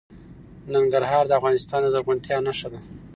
ننګرهار د افغانستان د زرغونتیا نښه ده.